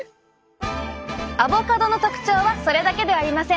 アボカドの特徴はそれだけではありません。